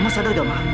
ma sadar gak ma